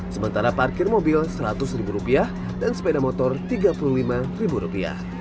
sementara parkir mobil rp seratus dan sepeda motor rp tiga puluh lima